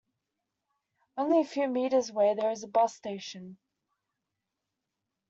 Only a few meters away there is a bus station.